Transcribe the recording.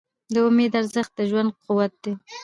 د امید ارزښت د ژوند قوت دی.